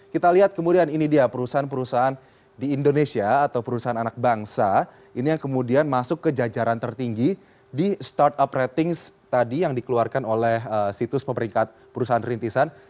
kita lihat kemudian ini dia perusahaan perusahaan di indonesia atau perusahaan anak bangsa ini yang kemudian masuk ke jajaran tertinggi di startup ratings tadi yang dikeluarkan oleh situs pemeringkat perusahaan rintisan